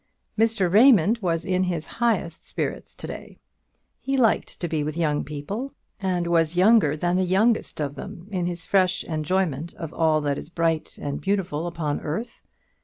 Mr. Raymond was in his highest spirits to day. He liked to be with young people, and was younger than the youngest of them in his fresh enjoyment of all that is bright and beautiful upon earth.